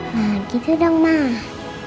nah gitu dong mah